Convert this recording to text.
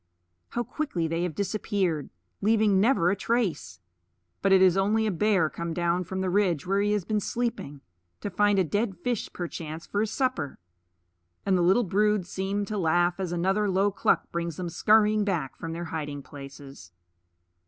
How quickly they have disappeared, leaving never a trace! But it is only a bear come down from the ridge where he has been sleeping, to find a dead fish perchance for his supper; and the little brood seem to laugh as another low cluck brings them scurrying back from their hiding places.